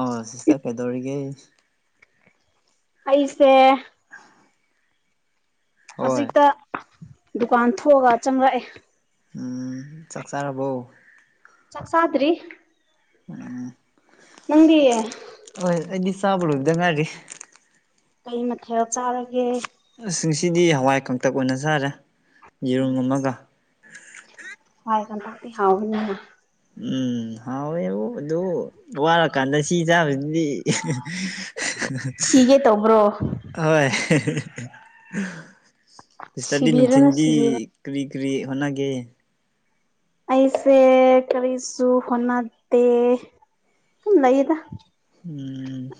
ꯑꯥ ꯑꯁ ꯅꯪ ꯀꯩꯗꯧꯔꯤꯒꯦ ꯑꯩꯩꯁꯦ ꯍꯣꯏ ꯍꯧꯖꯤꯛꯇ ꯗꯨꯀꯥꯟ ꯊꯣꯛꯑꯒ ꯆꯪꯂꯛꯑꯦ ꯎꯝ ꯆꯥꯛ ꯆꯥꯔꯕꯣ ꯆꯥꯛ ꯆꯥꯗ꯭ꯔꯤ ꯎꯝ ꯅꯪꯗꯤ ꯑꯩꯗꯤ ꯆꯥꯕ ꯂꯣꯏꯕꯗ ꯉꯥꯏꯔꯤ ꯀꯩ ꯃꯊꯦꯜ ꯆꯥꯔꯒꯦ ꯑꯁ ꯉꯁꯤꯗꯤ ꯍꯋꯥꯏ ꯀꯥꯡꯇꯛ ꯑꯣꯏꯅ ꯆꯥꯔꯦ ꯌꯦꯔꯨꯝ ꯑꯃꯒ ꯀꯥꯡꯇꯛꯇꯤ ꯍꯥꯎꯕꯅꯤꯅ ꯎꯝ ꯍꯥꯎꯋꯦꯕꯨ ꯑꯗꯨ ꯋꯥꯔꯀꯥꯟꯗ ꯁꯤ ꯆꯥꯕꯖꯤꯗꯤ [unintelligible] ꯁꯤꯒꯦ ꯇꯧꯕ꯭ꯔꯣ [unintelligible] ꯍꯣꯏ [unintelligible] ꯁꯤꯁꯇꯔꯗꯤ ꯁꯤꯕꯤꯔꯅꯨ ꯅꯨꯡꯊꯤꯟꯗꯤ ꯁꯤꯕꯤꯔꯅꯨ ꯀꯔꯤ ꯀꯔꯤ ꯍꯣꯠꯅꯒꯦ ꯑꯩꯁꯦ ꯀꯔꯤꯁꯨꯨ ꯍꯣꯠꯅꯗꯦ ꯑꯗꯨꯝ ꯂꯩꯗ ꯎꯝ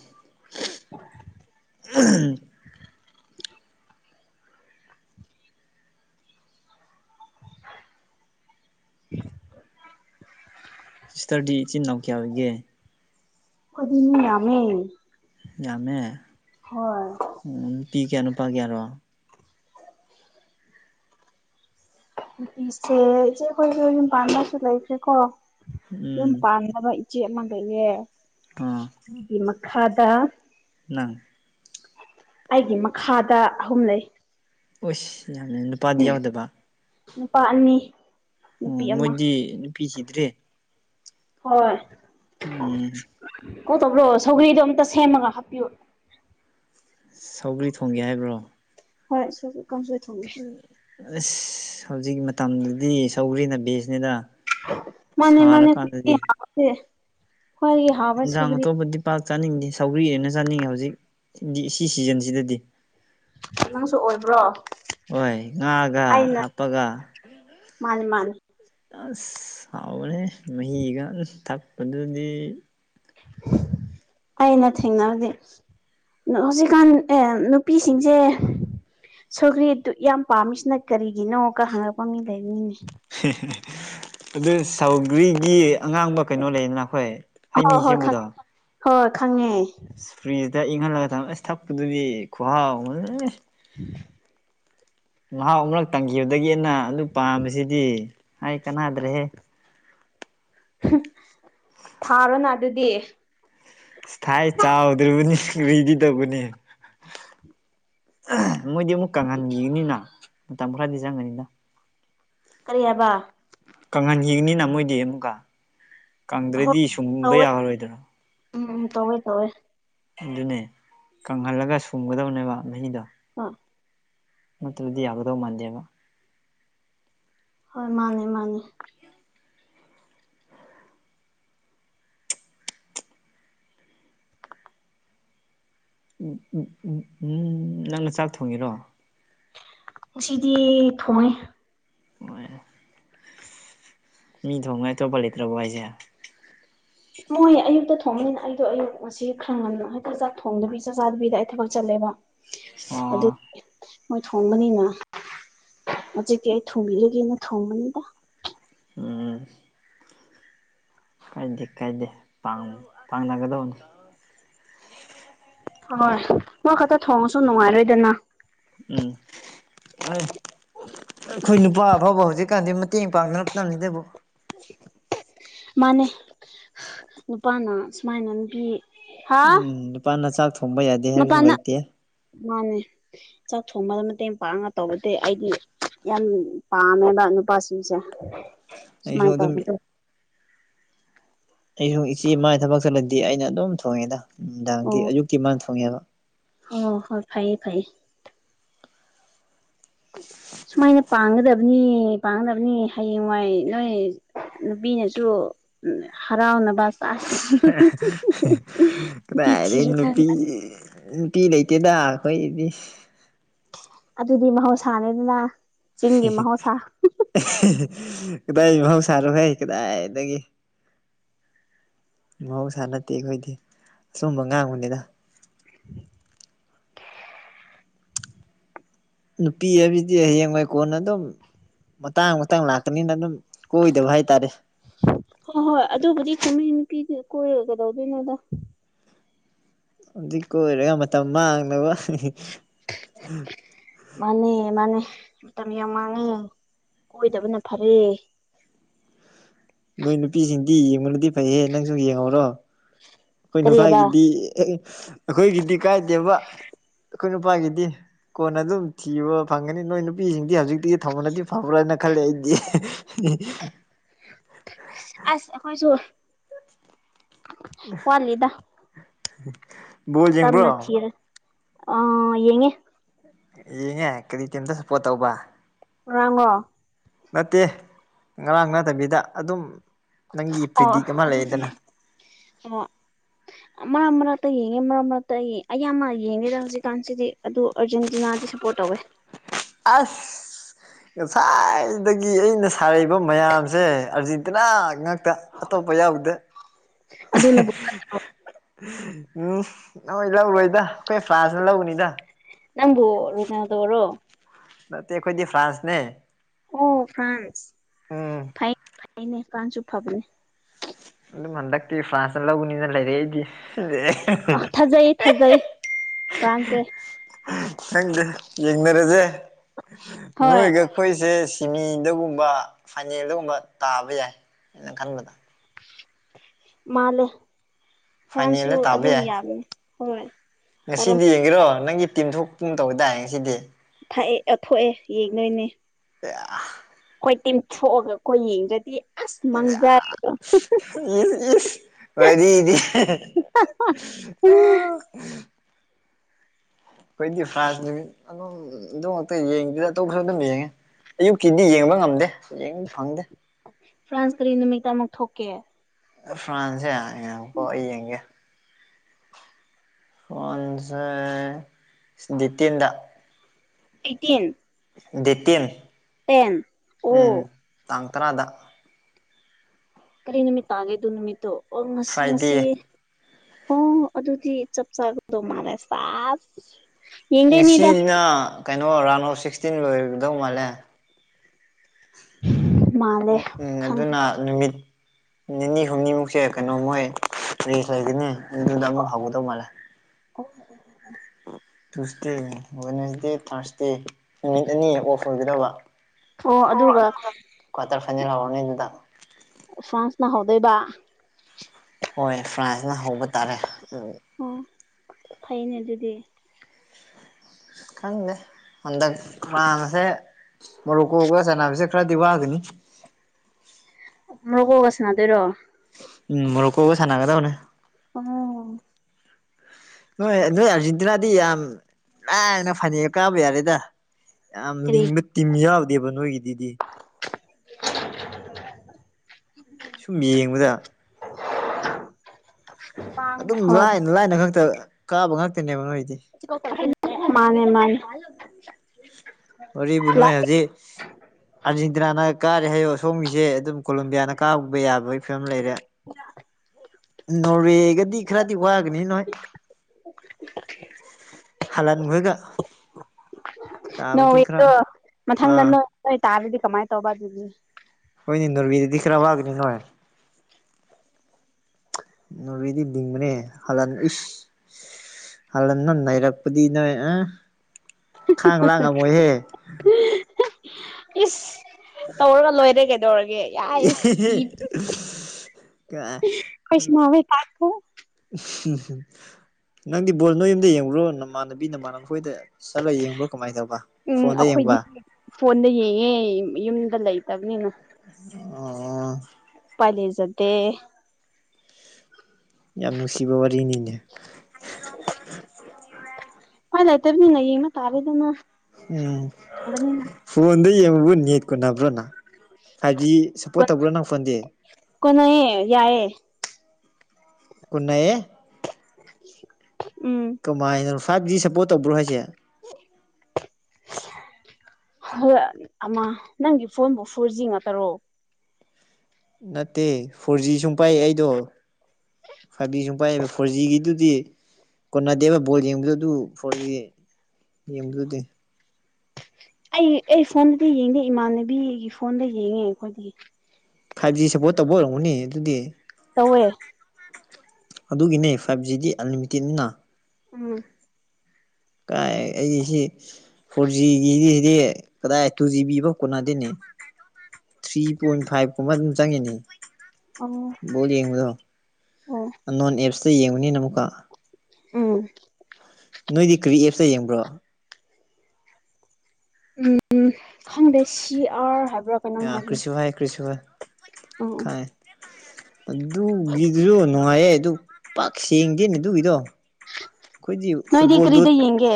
[inaudible] ꯎꯝ [unintelligible] [unintelligible] ꯁꯤꯁꯇꯔꯗꯤ ꯏꯆꯤꯟ ꯏꯅꯥꯎ ꯀꯌꯥ ꯑꯣꯏꯒꯦ ꯈꯣꯏꯗꯤ ꯃꯤ ꯌꯥꯝꯃꯦ ꯌꯥꯝꯃꯦ ꯍꯣꯏ ꯎꯝ ꯅꯨꯄꯤ ꯀꯌꯥ ꯅꯨꯄꯥ ꯀꯌꯥꯔꯣ ꯅꯨꯄꯤꯁꯦ ꯏꯆꯦꯍꯣꯏꯁꯨ ꯌꯨꯝ ꯄꯥꯟꯕꯁꯨ ꯂꯩꯈ꯭ꯔꯦꯀꯣ ꯌꯨꯝ ꯎꯝ ꯄꯥꯟꯗꯕ ꯏꯆꯦ ꯑꯃ ꯂꯩꯌꯦ ꯑꯥ ꯗꯨꯒꯤ ꯃꯛ ꯈꯥꯗ ꯅꯪ ꯑꯩꯒꯤ ꯃꯈꯥꯗ ꯑꯍꯨꯝ ꯂꯩ ꯑꯣꯏꯁ ꯌꯥꯝꯅ ꯅꯨꯄꯥꯗꯤ ꯌꯥꯎꯗꯕ ꯅꯨꯄꯥ ꯑꯅꯤ ꯅꯨꯄꯤ ꯎꯝ ꯑꯃ ꯃꯣꯏꯗꯤ ꯅꯨꯄꯤ ꯊꯤꯗ꯭ꯔꯤ ꯍꯣꯏ ꯎꯝ ꯀꯣ ꯇꯧꯕ꯭ꯔꯣ ꯁꯧꯒ꯭ꯔꯤꯗꯣ ꯑꯝꯇ ꯁꯦꯝꯃꯒ ꯍꯥꯞꯄꯤꯌꯣ ꯁꯧꯒ꯭ꯔꯤ ꯊꯣꯡꯒꯦ ꯍꯥꯏꯕ꯭ꯔꯣ ꯍꯣꯏ ꯁꯧꯒ꯭ꯔꯤ ꯀꯥꯡꯁꯣꯏ ꯊꯣꯡꯒꯦ ꯑꯁ ꯍꯧꯖꯤꯛ ꯃꯇꯝꯗꯗꯤ ꯁꯧꯒ꯭ꯔꯤꯅ ꯕꯦꯖꯅꯤꯗ ꯃꯅꯦ ꯃꯅꯦ [unintelligible] ꯍꯤꯟꯖꯥꯡ ꯑꯇꯣꯞꯄꯗꯤ ꯄꯥꯛ ꯆꯥꯅꯤꯡꯗꯦ ꯁꯧꯒ꯭ꯔꯤ ꯍꯦꯟꯅ ꯆꯥꯅꯤꯡꯉꯦ ꯍꯧꯖꯤꯛ ꯗꯤ ꯁꯤ ꯁꯤꯖꯟꯖꯤꯗꯗꯤ ꯅꯪꯁꯨ ꯑꯣꯏꯕ꯭ꯔꯣ ꯍꯣꯏ ꯉꯥꯒ ꯑꯩꯅ ꯍꯥꯞꯄꯒ ꯃꯥꯅꯤ ꯃꯥꯅꯤ ꯑꯁ ꯍꯥꯎꯕꯅꯦ ꯃꯍꯤꯒ ꯊꯛꯄꯗꯨꯗꯤ [unintelligible] ꯑꯩꯅ ꯊꯦꯡꯅꯕꯗꯤ ꯍꯧꯖꯤꯛꯀꯥꯟ ꯑꯦ ꯅꯨꯄꯤꯁꯤꯡꯁꯦ ꯁꯣꯒꯔꯤꯗꯨ ꯌꯥꯝ ꯄꯥꯝꯃꯤꯁꯤꯅ ꯀꯔꯤꯒꯤꯅꯣꯒ ꯍꯪꯉꯛꯄ ꯃꯤ ꯃꯤ ꯂꯩꯕꯅꯤꯅꯦ ꯑꯗꯨ ꯁꯧꯒ꯭ꯔꯤꯒꯤ ꯑꯉꯥꯡꯕ ꯀꯩꯅꯣ ꯂꯩꯌꯦꯅ ꯑꯩꯈꯣꯏ ꯍꯩ ꯍꯣꯏ ꯃꯍꯤ ꯍꯣꯏ ꯁꯦꯝꯕꯗꯣ ꯈꯪꯉꯦ ꯍꯣꯏ ꯈꯪꯉꯦ ꯐ꯭ꯔꯤꯖꯇ ꯏꯪꯍꯜꯂꯒ ꯊꯝꯃ ꯑꯁ ꯊꯛꯄꯗꯨꯗꯤ ꯈꯨꯍꯥꯎ ꯑꯃ [inaudible] ꯃꯍꯥꯎ ꯑꯃꯔꯛ ꯇꯪꯒꯤꯕꯗꯒꯤ ꯑꯅ ꯑꯗꯨ ꯄꯥꯝꯕꯁꯤꯗꯤ ꯍꯥꯢ ꯀꯅꯥꯗ꯭ꯔꯦꯍꯦ ꯊꯥꯔꯣꯅ ꯑꯗꯨꯗꯤ ꯑꯁ ꯊꯥꯏ ꯆꯥꯎꯗ꯭ꯔꯤꯕꯅꯤ ꯔꯤꯗꯤ ꯇꯧꯒꯅꯤ ꯃꯣꯏꯗꯤ ꯑꯃꯨꯛ ꯀꯪꯍꯟꯈꯤꯒꯅꯤꯅ ꯃꯇꯝ ꯈꯔꯗꯤ ꯆꯪꯒꯅꯤꯅ ꯀꯔꯤ ꯍꯥꯏꯕ ꯀꯪꯍꯟꯈꯤꯒꯅꯤꯅ ꯃꯣꯏꯗꯤ ꯑꯃꯨꯛꯀ ꯍꯣꯏ ꯀꯪꯗ꯭ꯔꯗꯤ ꯁꯨꯡꯕ ꯇꯧꯋꯦ ꯌꯥꯔꯣꯏꯗꯅ ꯎꯝ ꯇꯧꯋꯦ ꯇꯧꯋꯦ ꯑꯗꯨꯅꯦ ꯀꯪꯍꯜꯂꯒ ꯁꯨꯝꯒꯗꯧꯅꯦꯕ ꯃꯍꯤꯗꯣ ꯎꯝ ꯅꯠꯇꯔꯗꯤ ꯌꯥꯒꯗꯧ ꯃꯥꯟꯗꯦꯕ ꯍꯣꯏ ꯃꯥꯅꯦ ꯃꯥꯅꯦ ꯎꯝ ꯅꯪꯅ ꯆꯥꯛ ꯊꯣꯡꯉꯤꯔꯣ ꯉꯁꯤꯗꯤ ꯊꯣꯡꯉꯤ ꯃꯤ ꯊꯣꯡꯉꯥꯏ ꯑꯇꯣꯞꯄ ꯂꯩꯇꯔꯕꯣ ꯍꯥꯏꯁꯦ ꯍꯣꯏ ꯑꯌꯨꯛꯇ ꯊꯣꯡꯕꯅꯤꯅ ꯑꯩꯗꯣ ꯑꯌꯨꯛ ꯉꯁꯤ ꯈ꯭ꯔ ꯉꯟꯅ ꯍꯦꯛ ꯆꯥꯛ ꯊꯣꯡꯗꯕꯤ ꯆꯥꯛ ꯆꯥꯗꯕꯤꯗ ꯑꯩ ꯊꯕꯛ ꯆꯠꯂꯦꯕ ꯑꯗꯨ ꯑꯣ ꯃꯣꯏ ꯊꯣꯡꯕꯅꯤꯅ ꯍꯧꯖꯤꯛꯇꯤ ꯑꯩ ꯊꯣꯡꯕꯤꯔꯒꯦꯅ ꯊꯣꯡꯕꯅꯤꯗ ꯎꯝ ꯀꯥꯢꯗꯦ ꯀꯥꯏꯗ ꯄꯥꯡ ꯄꯥꯡ ꯅꯥꯒꯗꯕꯅꯦ ꯍꯣꯏ ꯃꯣꯏ ꯈꯛꯇ ꯊꯣꯡꯉꯁꯨ ꯅꯨꯡꯉꯥꯏꯔꯣꯏꯗꯅ ꯎꯝ ꯍꯣꯏ ꯑꯩꯈꯣꯏ ꯅꯨꯄꯥ ꯐꯥꯎꯕ ꯍꯧꯖꯤꯛꯀꯥꯟꯗꯤ ꯃꯇꯦꯡ ꯄꯥꯡꯗꯅ ꯀꯟꯁꯤꯗꯕꯣ ꯃꯥꯅꯦ ꯅꯨꯄꯥꯅ ꯁꯨꯃꯥꯏꯅ ꯅꯨꯄꯤ ꯍꯥ ꯎꯝ ꯅꯨꯄꯥꯅ ꯆꯥꯛ ꯊꯣꯡꯕ ꯌꯥꯗꯦ ꯍꯥꯏꯕꯁꯨ ꯅꯨꯄꯥꯅ ꯂꯩꯇꯦ ꯃꯥꯅꯦ ꯆꯥꯛ ꯊꯣꯡꯕꯗ ꯃꯇꯦꯡ ꯄꯥꯡꯉꯒ ꯇꯧꯕꯗꯤ ꯑꯩꯗꯤ ꯌꯥꯝ ꯄꯥꯝꯃꯦꯕ ꯅꯨꯄꯥꯁꯤꯡꯁꯦ ꯑꯩꯁꯨ ꯁꯨꯃꯥꯏꯅ ꯑꯗꯨꯝ ꯇꯧꯕꯗꯣ ꯑꯩꯁꯨ ꯏꯆꯦ ꯃꯥꯒꯤ ꯊꯕꯛ ꯆꯠꯂꯗꯤ ꯑꯩꯅ ꯑꯗꯨꯝ ꯊꯣꯡꯉꯦꯗ ꯅꯨꯡꯗꯥꯡꯒꯤ ꯑꯣ ꯑꯌꯨꯛꯀꯤ ꯃꯥꯅ ꯊꯣꯡꯉꯦꯕ ꯐꯩ [unintelligible] ꯁꯨꯃꯥꯏꯅ ꯄꯥꯡꯒꯗꯕꯅꯤ ꯄꯥꯡꯒꯗꯕꯅꯤ ꯍꯌꯦꯡꯋꯥꯏ ꯅꯣꯏ ꯅꯨꯄꯤꯅꯁꯨ ꯍꯔꯥꯎꯅꯕ ꯆꯥꯁ ꯅꯨꯄꯤ ꯀꯗꯥꯢꯗꯩ ꯊꯤꯔ ꯅꯨꯄꯤ ꯀꯥꯟꯗ ꯅꯨꯄꯤ ꯂꯩꯇꯦ ꯇꯦꯗ ꯑꯩꯈꯣꯏꯒꯤꯗꯤ ꯑꯗꯨꯗꯤ ꯃꯍꯧꯁꯥꯅꯤꯗꯅ ꯆꯤꯡꯒꯤ ꯃꯍꯧꯁꯥ [unintelligible] ꯃꯍꯧꯁꯥꯔꯣꯍꯦ ꯀꯗꯥꯏꯗꯒꯤ ꯃꯍꯧꯁꯥ ꯅꯠꯇꯦ ꯑꯩꯈꯣꯏꯗꯤ ꯁꯨꯝꯕ ꯉꯥꯡꯕꯅꯤꯗ ꯅꯨꯄꯤ ꯍꯥꯏꯕꯗꯤ ꯍꯌꯦꯡꯋꯥꯩ ꯀꯣꯟꯅ ꯑꯗꯨꯝ ꯃꯇꯥꯡ ꯃꯇꯥꯡ ꯂꯥꯛꯀꯅꯤꯅ ꯑꯗꯨꯝ ꯀꯣꯏꯗꯕ ꯍꯥꯏꯇꯥꯔꯦ ꯍꯣꯏ ꯍꯣꯏ ꯑꯗꯨꯕꯨꯗꯤ ꯆꯨꯝꯃꯦ ꯅꯨꯄꯤꯗꯤ ꯀꯣꯏꯔꯒ ꯀꯩꯗꯧꯗꯣꯏꯅꯣꯗ ꯑꯗꯨꯛ ꯀꯣꯏꯔ ꯃꯇꯝ ꯃꯥꯡꯅꯕ ꯃꯥꯅꯦ ꯃꯥꯅꯦ ꯃꯇꯝ ꯌꯥꯝ ꯃꯥꯡꯉꯦ ꯀꯣꯏꯗꯕꯅ ꯐꯔꯦ [inaudible] ꯅꯣꯏ ꯅꯨꯄꯤꯁꯤꯡꯗꯤ ꯌꯦꯡꯕꯅꯗꯤ ꯐꯩꯍꯦ ꯅꯪꯁꯨ ꯌꯦꯡꯍꯧꯔꯣ ꯑꯩꯈꯣꯏ ꯀꯔꯤꯑꯕ ꯅꯨꯄꯥꯒꯤꯗꯤ ꯑꯈꯣꯏꯒꯤꯗꯤ ꯀꯥꯏꯗꯦꯕ ꯑꯩꯈꯣꯏ ꯅꯨꯄꯥꯒꯤꯗꯤ ꯀꯣꯟꯅ ꯑꯗꯨꯝ ꯊꯤꯕ ꯐꯪꯒꯅꯤ ꯅꯣꯏ ꯅꯨꯄꯤꯁꯤꯡꯗꯤ ꯍꯧꯖꯤꯛꯇꯤ ꯊꯝꯃꯅꯗꯤ ꯐꯕ꯭ꯔꯥꯅ ꯈꯜꯂꯦ ꯑꯩꯗꯤ ꯢ ꯑꯁ ꯑꯩꯈꯣꯏꯁꯨ ꯋꯥꯠꯂꯤꯗ [unintelligible] ꯕꯣꯜ ꯌꯦꯡꯕ꯭ꯔꯣ ꯑꯥ ꯌꯦꯡꯉꯦ ꯌꯦꯡꯉꯦ ꯀꯔꯤ ꯇꯤꯝꯗ ꯁꯞꯄꯣꯔꯠ ꯇꯧꯕ ꯉꯥꯔꯥꯡꯂꯣ ꯅꯠꯇꯦ ꯉꯔꯥꯡ ꯅꯠꯇꯕꯤꯗ ꯑꯗꯨꯝ ꯅꯪꯒꯤ ꯑꯣ ꯄ꯭ꯔꯤꯗꯤꯛ ꯑꯃ ꯑꯗꯨꯗꯤ ꯂꯩꯗꯅ ꯑꯣ ꯃꯔꯛ ꯃꯔꯛꯇ ꯌꯦꯡꯉꯦ ꯃꯔꯛ ꯃꯔꯛꯇ ꯑꯩ ꯑꯌꯥꯝꯕ ꯌꯦꯡꯉꯦꯗ ꯍꯧꯖꯤꯛꯀꯥꯟꯁꯤꯗꯤ ꯑꯗꯨ ꯑꯔꯖꯦꯟꯇꯤꯅꯥꯗꯤ ꯁꯞꯄꯣꯔꯠ ꯇꯧ ꯋꯦ ꯑꯁ ꯉꯁꯥꯏꯗꯒꯤ ꯑꯩꯅ ꯁꯥꯔꯛꯏꯕ ꯃꯌꯥꯝꯁꯦ ꯑꯥꯔꯖꯦꯟꯇꯤꯅꯥ ꯉꯥꯛ ꯇ ꯑꯇꯣꯞꯄ ꯌꯥꯎꯗꯦ ꯑꯗꯨꯅꯕꯨ ꯐꯠꯇ꯭ꯔꯣ ꯎꯝ ꯅꯣꯏ ꯂꯧꯔꯣꯏꯗ ꯑꯩꯈꯣꯏ ꯐ꯭ꯔꯥꯟꯁꯅ ꯂꯧꯒꯅꯤꯗ ꯅꯪꯕꯨ ꯔꯣꯅꯥꯜꯗꯣꯔꯣ ꯅꯠꯇꯦ ꯑꯈꯣꯏꯗꯤ ꯐ꯭ꯔꯥꯟꯁꯅꯦ ꯑꯣ ꯐ꯭ꯔꯥꯟꯁ ꯎꯝ ꯑꯩꯅꯦ ꯐ꯭ꯔꯥꯟꯁꯨ ꯐꯕꯅꯦ ꯁꯨꯝ ꯍꯟꯗꯛꯇꯤ ꯐ꯭ꯔꯥꯟꯁꯅ ꯂꯧꯒꯅꯤꯅ ꯂꯩꯔꯦ ꯑꯩꯗꯤ ꯑ ꯊꯥꯖꯩ ꯊꯥꯖꯩ ꯐ꯭ꯔꯥꯟꯁꯁꯦ ꯈꯪꯗꯦ ꯌꯦꯡꯅꯔꯖꯦ ꯍꯣꯏ ꯅꯣꯏꯒ ꯈꯣꯏꯁꯦ ꯁꯤꯃꯤꯗꯒꯨꯝꯕ ꯐꯥꯏꯅꯦꯜꯗꯒꯨꯝꯕ ꯇꯥꯕ ꯌꯥꯏ ꯑꯩꯅ ꯈꯟꯕꯗ ꯃꯥꯜꯂꯦ ꯐ꯭ꯔꯥꯟꯁꯁꯨ ꯐꯥꯏꯅꯦꯜꯗ ꯇꯥꯕ ꯑꯗꯨꯝ ꯌꯥꯏ ꯌꯥꯕꯅꯦ ꯍꯣꯏ ꯇꯔꯝ ꯉꯁꯤꯗꯤ ꯌꯦꯡꯒꯦꯔꯣ ꯅꯪꯒꯤ ꯇꯤꯝ ꯊꯣꯛꯄꯒꯨꯝ ꯇꯧꯗꯥꯏ ꯉꯁꯤꯗꯤ ꯑꯥ ꯊꯣꯛꯑꯦ ꯌꯦꯡꯗꯣꯏꯅꯦ ꯑꯦ ꯑꯥ ꯑꯩꯈꯣꯏ ꯇꯤꯝ ꯊꯣꯛꯑꯒꯀꯣ ꯑꯩꯈꯣꯏ ꯌꯦꯡꯗ꯭ꯔꯗꯤ ꯑꯁ ꯌꯥ ꯃꯥꯡꯖꯔꯦꯗꯣ ꯢꯁ ꯢꯁ ꯋꯥꯔꯤꯗꯤ ꯑꯥ ꯑꯩꯈꯣꯏꯗꯤ ꯐ꯭ꯔꯥꯟꯁ ꯅꯨꯃꯤꯠ ꯑꯗꯨꯝ ꯑꯗꯨ ꯑꯗꯨꯈꯛꯇ ꯌꯦꯡꯗꯦꯗ ꯑꯇꯣꯄꯁꯨ ꯑꯗꯨꯝ ꯌꯦꯡꯉꯦ ꯑꯌꯨꯛꯀꯤꯗꯤ ꯌꯦꯡꯕ ꯉꯝꯗꯦ ꯌꯦꯡꯕ ꯐꯪꯗꯦ ꯐ꯭ꯔꯥꯟꯁ ꯀꯔꯤ ꯅꯨꯃꯤꯠꯇ ꯑꯃꯨꯛ ꯊꯣꯛꯀꯦ ꯐ꯭ꯔꯥꯟꯁꯁꯦ ꯉꯥꯏꯈꯣꯀꯣ ꯑꯩ ꯌꯦꯡꯒꯦ ꯐ꯭ꯔꯥꯟꯁ ꯁꯦ ꯗꯦꯇꯤꯟꯗ ꯑꯦꯠꯇꯤꯟ ꯗꯦꯇꯤꯟ ꯇꯦꯟ ꯑꯣ ꯇꯥꯡ ꯇꯔꯥꯗ ꯀꯔꯤ ꯅꯨꯃꯤꯠ ꯇꯥꯒꯦ ꯑꯗꯨ ꯅꯨꯃꯤꯠꯇꯣ ꯑꯣ ꯉꯁ ꯉꯁꯤ ꯐ꯭ꯔꯥꯏꯗꯦ ꯑꯣ ꯑꯗꯨꯗꯤ ꯆꯞ ꯆꯥꯀꯗꯧꯕ ꯃꯥꯂꯦ ꯑꯁ ꯉꯁꯤꯅꯤꯅ ꯀꯩꯅꯣ ꯔꯥꯅꯣ ꯁꯤꯛꯁꯇꯤꯟ ꯂꯣꯏꯒꯗꯧ ꯃꯥꯜꯂꯦ ꯃꯥꯜꯂꯦ ꯎꯝ ꯈꯪꯗꯦ ꯑꯗꯨꯅ ꯅꯨꯃꯤꯠ ꯅꯤꯅꯤ ꯍꯨꯝꯅꯤꯃꯨꯛꯁꯦ ꯀꯩꯅꯣ ꯃꯣꯏ ꯔꯦꯖ ꯂꯩꯒꯅꯤ ꯑꯗꯨꯗ ꯑꯃꯨꯛ ꯍꯧꯒꯗꯧ ꯃꯥꯜꯂꯦ ꯑꯣ ꯇꯨꯢꯁꯗꯦ ꯋꯦꯠꯅꯦꯁꯗꯦ ꯊꯔꯁꯗꯦ ꯅꯨꯃꯤꯠ ꯑꯅꯤ ꯑꯣꯐ ꯑꯣꯏꯒꯗꯧꯕ ꯑꯣ ꯑꯗꯨꯒ ꯀ꯭ꯋꯥꯇꯔ ꯐꯥꯏꯅꯦꯜ ꯍꯧꯔꯅꯤ ꯑꯗꯨꯗ ꯐ꯭ꯔꯥꯟꯁꯅ ꯍꯧꯗꯣꯏꯕ ꯍꯣꯏ ꯐ꯭ꯔꯥꯟꯁꯅ ꯍꯧꯕ ꯇꯥꯔꯦ ꯎꯝ ꯑꯣ ꯐꯩꯅꯦ ꯑꯗꯨꯗꯤ ꯈꯪꯗꯦ ꯍꯟꯗꯛ ꯐ꯭ꯔꯦꯟꯁꯁꯦ ꯃꯣꯔꯣꯀꯣꯒ ꯁꯟꯅꯕꯁꯦ ꯈꯔꯗꯤ ꯋꯥꯒꯅꯤ [inaudible] ꯃꯣꯔꯣꯀꯣ ꯁꯟꯅꯗꯣꯢꯔꯣ ꯎꯝ ꯃꯣꯔꯣꯀꯣꯒ ꯁꯟꯅꯒꯗꯣꯢꯅꯦ ꯑꯣ ꯅꯣꯢ ꯅꯣꯏ ꯑꯥꯔꯖꯦꯟꯇꯤꯅꯥꯗꯤ ꯌꯥꯝ ꯂꯥꯏꯅ ꯐꯅꯦꯜ ꯀꯥꯕ ꯌꯥꯔꯦꯗ ꯌꯥꯝ ꯀꯔꯤ ꯂꯤꯡꯕ ꯇꯤꯝ ꯌꯥꯎꯗꯦꯕ ꯅꯣꯏꯒꯤꯗꯨꯗꯤ ꯁꯨꯝ ꯌꯦꯡꯕꯗ [unintelligible] ꯑꯗꯨꯝ ꯂꯥꯏꯅ ꯂꯥꯏꯅ ꯈꯛꯇ ꯀꯥꯕ ꯉꯥꯛꯛꯇꯅꯦꯕ ꯅꯣꯏꯗꯤ [unintelligible] ꯃꯥꯅꯦ ꯃꯥꯅꯦ ꯋꯥꯔꯤꯕꯨ ꯅꯣꯢ ꯂꯥꯛꯑꯦ ꯍꯧꯖꯤꯛ ꯑꯔꯖꯦꯟꯇꯤꯅꯥꯅ ꯀꯥꯔꯦ ꯍꯥꯏꯌꯣ ꯁꯣꯝꯒꯤꯁꯦ ꯑꯗꯨꯝ ꯀꯣꯂꯣꯕꯤꯌꯥꯅ ꯀꯥꯕ ꯌꯥꯕꯒꯤ ꯐꯤꯕꯝꯗ ꯂꯩꯔꯦ ꯅꯣꯔꯋꯦꯒꯗꯤ ꯈꯔꯗꯤ ꯋꯥꯒꯅꯤ ꯅꯣꯏ ꯍꯥꯂꯥꯟ ꯈꯣꯢꯒ ꯅꯣꯔꯋꯦꯗꯣ ꯃꯊꯪꯗ ꯑꯥ ꯅꯣ ꯅꯣꯏ ꯇꯥꯔꯗꯤ ꯀꯃꯥꯏꯅ ꯇꯧꯕ ꯑꯗꯨꯗꯤ ꯍꯣꯢꯅꯦ ꯅꯣꯔꯋꯦꯗꯤ ꯈꯔ ꯋꯥꯒꯅꯤꯅꯣꯢ ꯅꯣꯔꯋꯦꯗꯤ ꯂꯤꯡꯕꯅꯦ ꯍꯂꯥꯟ ꯑꯥꯢꯁ ꯍꯂꯥꯟꯅ ꯅꯩꯔꯛꯄꯗꯤ ꯅꯣꯢ ꯍꯥ [unintelligible] ꯏꯁ ꯇꯧꯔꯒ ꯂꯣꯏꯔꯦ ꯀꯩꯗꯧꯔꯒꯦ ꯌꯥꯏ ꯀꯤꯗꯦ ꯈꯣꯏ ꯁꯟꯅꯕꯩ ꯊꯥꯞꯇꯣ ꯅꯪꯗꯤ ꯕꯣꯜ ꯅꯣꯢ ꯌꯨꯝꯗ ꯌꯦꯡ ꯕꯔꯣ ꯅꯃꯥꯟꯅꯕꯤ ꯅꯃꯥꯟꯅꯕ ꯈꯣꯏꯗ ꯆꯠꯂꯒ ꯌꯦꯡꯕ꯭ꯔꯣ ꯀꯃꯥꯏꯅ ꯇꯧꯕ ꯎꯝ ꯐꯣꯟꯗ ꯑꯩꯈꯣꯏꯗꯤ ꯌꯦꯡꯕ ꯐꯣꯟꯗ ꯌꯦꯡꯉꯦ ꯌꯨꯝꯗ ꯂꯩꯇꯕꯅꯤꯅ ꯑꯣ ꯇꯦ ꯌꯥꯝ ꯅꯨꯡꯁꯤꯕ ꯋꯥꯔꯤꯅꯤꯅꯦ [unintelligible] ꯎꯄꯥꯏ ꯂꯩꯇꯕꯅꯤꯅ ꯌꯦꯡꯕ ꯇꯥꯔꯦꯗꯅ ꯎꯝ ꯐꯪꯕꯅꯤꯅ ꯐꯣꯟꯗ ꯌꯦꯡꯕꯕꯨ ꯅꯦꯠ ꯀꯣꯟꯅꯕ꯭ꯔꯣ ꯅꯪ ꯐꯥꯏꯞꯖꯤ ꯁꯞꯄꯣꯔꯠ ꯇꯧꯕ꯭ꯔ ꯅꯪ ꯐꯣꯟꯗꯤ ꯀꯣꯟꯅꯩꯌꯦ ꯌꯥꯏꯌꯦ ꯀꯨꯟꯅꯩꯌꯦ ꯎꯝ ꯀꯃꯥꯏꯅꯅꯣ ꯐꯥꯏꯞ ꯖꯤ ꯁꯞꯄꯣꯔꯠ ꯇꯧꯕ꯭ꯔꯣ ꯍꯥꯏꯁꯦ [unintelligible] ꯑꯃ ꯅꯪꯒꯤ ꯐꯣꯟꯕꯨ ꯐꯣꯔ ꯖꯤ ꯉꯥꯛꯇꯔꯣ ꯅꯠꯇꯦ ꯐꯣꯔ ꯖꯤ ꯁꯨꯝ ꯄꯥꯏ ꯑꯩꯗꯣ ꯐꯥꯏꯞ ꯖꯤ ꯁꯨ ꯄꯥꯏꯌꯦꯕ ꯐꯣꯔ ꯖꯤꯒꯤꯗꯨꯗꯤ ꯀꯣꯟꯅꯗꯦꯕ ꯕꯣꯜ ꯌꯦꯡꯕꯗꯨ ꯑꯗꯨ ꯐꯣꯔꯖꯤ ꯌꯦꯡꯕꯗꯨꯗꯤ ꯑꯩ ꯑꯩ ꯐꯣꯟꯗꯗꯤ ꯌꯦꯡꯗꯦ ꯏꯃꯥꯟꯅꯕꯤꯒꯤ ꯐꯣꯟꯗ ꯌꯦꯡꯉꯦ ꯑꯈꯣꯏꯗꯤ ꯐꯥꯏꯞ ꯖꯤ ꯁꯞꯄꯣꯔꯠ ꯇꯧꯕ ꯑꯣꯏꯔꯝꯒꯅꯤ ꯑꯗꯨꯗꯤ ꯇꯧꯋꯦ ꯑꯗꯨꯒꯤꯅꯦ ꯐꯥꯏꯞ ꯖꯤꯗꯤ ꯑꯟꯂꯤꯃꯤꯇꯦꯠꯅꯤꯅ ꯎꯝ ꯀꯥꯏ ꯑꯩꯁꯤ ꯐꯣꯔ ꯖꯤꯒꯤꯗꯤ ꯀꯗꯥꯏ ꯇꯨ ꯖꯤꯕꯤ ꯕꫭꯛ ꯀꯣꯟꯅꯗꯦꯅꯦ [unintelligible] ꯊ꯭ꯔꯤ ꯄꯣꯏꯟ ꯐꯥꯏꯞ ꯀꯨꯝꯕ ꯑꯗꯨꯝ ꯆꯪꯉꯤꯅꯦ ꯑꯣ ꯕꯣꯜ ꯌꯦꯡꯕꯗꯣ ꯑꯣ ꯑꯟꯅꯣꯟ ꯑꯦꯞꯁꯇ ꯌꯦꯡꯕꯅꯤꯅ ꯑꯃꯨꯛꯀ ꯎꯝ ꯅꯣꯏꯗꯤ ꯀꯔꯤ ꯑꯦꯞꯁꯇ ꯌꯦꯡꯕ꯭ꯔꯣ ꯎꯝ ꯈꯪꯗꯦ ꯁꯤ ꯑꯥꯔ ꯍꯥꯏ ꯑ‌ ꯀ꯭ꯔꯤꯁꯤꯐꯥꯏ ꯀ꯭ꯔꯤꯁꯤꯐꯥꯏ ꯎꯝ ꯎꯝ ꯈꯪꯉꯦ ꯑꯗꯨꯒꯤꯗꯨꯁꯨ ꯅꯨꯡꯉꯥꯏꯌꯦ ꯑꯗꯨ ꯄꯥꯛ ꯁꯦꯡꯗꯦꯅꯦ ꯑꯗꯨꯒꯤꯗꯣ ꯑꯈꯣꯏꯗꯤ ꯅꯣꯏꯗꯤ ꯀꯔꯤꯗ ꯐꯨꯠꯕꯣꯜꯗꫭ ꯌꯦꯡꯒꯦ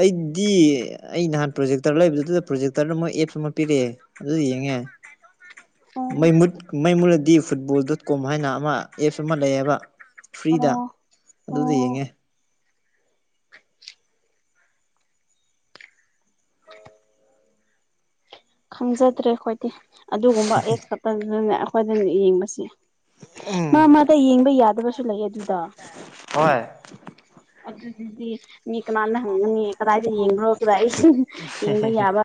ꯑꯩꯗꯤ ꯑꯩ ꯅꯍꯥꯟ ꯄ꯭ꯔꯣꯖꯦꯛꯇꯔ ꯂꯩꯕꯗꯨꯗ ꯄ꯭ꯔꯣꯖꯦꯛꯇꯔꯗ ꯃꯣꯏ ꯑꯦꯞ ꯑꯃ ꯄꯤꯔꯛꯑꯦ ꯑꯗꯨꯗ ꯌꯦꯡ ꯉꯦ ꯑꯣ ꯃꯩ ꯃꯨꯠ ꯃꯩ ꯃꯨꯠꯂꯗꯤ ꯐꯨꯠꯕꯣꯜ ꯗꯣꯠ ꯀꯣꯝ ꯍꯥꯏꯅ ꯑꯃ ꯑꯦꯞꯁ ꯑꯃ ꯂꯩꯌꯦꯕ ꯐ꯭ꯔꯤꯗ ꯑꯣ ꯑꯗꯨꯗ ꯑꯣ ꯌꯦꯡꯉꯦ ꯈꯪꯖꯗ꯭ꯔꯦ ꯑꯈꯣꯏꯗꯤ ꯑꯗꯨꯒꯨꯝꯕ ꯑꯦꯞꯁ ꯈꯛꯇꯗꯅꯦ ꯑꯩꯈꯣꯏꯅ ꯌꯦꯡꯕꯁꯤ ꯃꯥ ꯃꯥꯗ ꯌꯦꯡꯕ ꯌꯥꯗꯕꯁꯨ ꯂꯩꯌꯦ ꯑꯗꯨꯗ ꯍꯣꯏ ꯑꯗꯨꯗꯨꯗꯤ ꯃꯤ ꯀꯅꯥꯅ ꯍꯪꯒꯅꯤ ꯀꯗꯥꯏꯗ ꯌꯦꯡꯕ꯭ꯔꯣ ꯀꯗꯥꯏ [unintelligible] ꯌꯦꯡꯕ ꯌꯥꯕ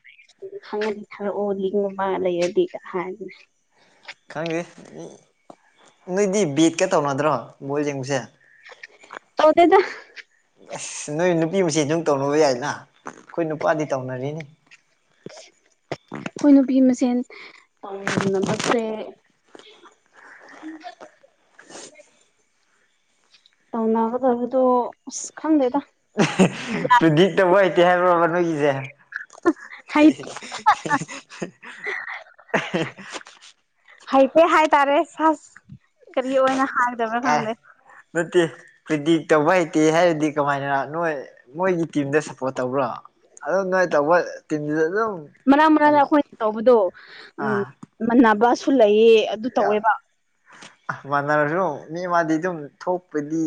ꯈꯪꯉꯗꯤ ꯊꯥꯔꯑꯣ ꯂꯤꯡ ꯑꯃ ꯂꯩꯔꯗꯤꯒ ꯍꯥꯏꯝꯅꯦ ꯈꯪꯗꯦ ꯅꯣꯏꯗꯤ ꯕꯦꯠꯀ ꯇꯧꯅꯗ꯭ꯔꯣ ꯕꯣꯜ ꯌꯦꯡꯕꯁꯦ‍ ꯇꯧꯗꯦꯗ ꯑꯁ ꯅꯣꯏ ꯅꯨꯄꯤ ꯃꯥꯁꯦꯟ ꯑꯗꯨꯝ ꯇꯧꯅꯕ ꯌꯥꯏꯗꯅ ꯑꯩꯈꯣꯏ ꯅꯨꯄꯥꯗꯤ ꯇꯧꯅꯔꯤꯅꯤ ꯈꯣꯏ ꯅꯨꯄꯤ ꯃꯁꯦꯟ ꯇꯧꯅꯕꯁꯦ [inaudible] ꯇꯧꯅꯒꯗꯧꯕꯗꯣ ꯑꯁ ꯈꯪꯗꯦꯗ [unintelligible] ꯄ꯭ꯔꯤꯗꯤꯛ ꯇꯧꯕ ꯍꯩꯇꯦ ꯍꯥꯏꯕ꯭ꯔꯣꯕ ꯅꫭꯏꯒꯤꯁꯦ ꯍꯩꯇꯦ [unintelligible] ꯍꯩꯇꯦ ꯍꯥꯏꯇꯥꯔꯦ ꯁꯥꯁ ꯀꯔꯤ ꯑꯣꯏꯅ ꯍꯥꯏꯗꯕ꯭ꯔ ꯀꯥꯏ ꯈꯪꯗꯦ ꯅꯠꯇꯦ ꯄ꯭ꯔꯤꯗꯤꯛ ꯇꯧꯕ ꯍꯩꯇꯦ ꯍꯥꯏꯔꯗꯤ ꯀꯝꯃꯥꯏꯅ ꯅꯣꯏ ꯃꯣꯏꯒꯤ ꯇꯤꯝꯗ ꯁꯞꯄꯣꯔꯠ ꯇꯧꯕ꯭ꯔꯣ ꯑꯗꫭ ꯅꯣꯏ ꯇꯧꯕ ꯇꯤꯝ ꯃꯔꯛ ꯃꯔꯛꯅ ꯑꯈꯣꯏꯅ ꯇꯧꯕꯗꯣ ꯎꯝ ꯑꯥ ꯃꯥꯟꯅꯕꯁꯨ ꯂꯩꯌꯦ ꯑꯗꯨ ꯇꯧꯋꯦꯕ ꯃꯥꯟꯅꯔꯁꯨ ꯃꯤ ꯃꯥꯗꯤ ꯑꯗꯨꯝ ꯊꯣꯛꯄꯗꯤ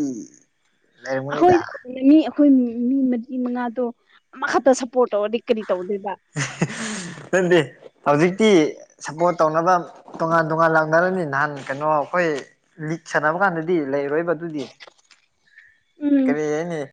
ꯂꯩꯔꯝꯒꯅꯤꯗ ꯑꯩꯈꯣꯏꯗꯨ ꯃꯤ ꯑꯩꯈꯣꯏ ꯃꯤ ꯃꯤ ꯃꯔꯤ ꯃꯉꯥꯗꯣ ꯑꯃꯈꯛꯇ ꯁꯞ ꯅꯗꯦ ꯍꯧꯖꯤꯛꯇꯤ ꯁꯞꯄꯣꯔꯠ ꯇꯧꯅꯕ ꯇꯣꯉꯥꯟ ꯇꯣꯉꯥꯟ ꯂꯥꯡꯅꯔꯅꯤ ꯅꯍꯥꯟ ꯀꯩꯅꯣ ꯑꯩꯈꯣꯏ ꯂꯤꯛ ꯁꯥꯟꯅꯕ ꯀꯥꯟꯗꯗꯤ ꯂꯩꯔꯣꯏꯕ ꯗꯨꯗꯤ ꯎꯝ ꯀꯔꯤ ꯍꯅꯤ